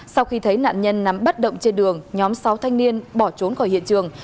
sau khi thấy nạn nhân nắm bắt động trên đường nhóm sáu thanh niên bỏ trốn khỏi hiện trường